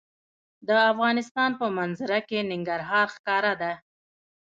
د افغانستان په منظره کې ننګرهار ښکاره ده.